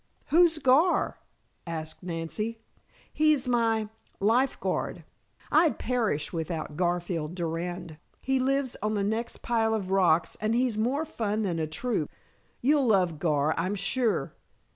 "Who's Gar?" asked Nancy. "He's my lifeguard; I'd perish without Garfield Durand. He lives on the next pile of rocks and he's more fun than a troop. You'll love Gar, I'm sure.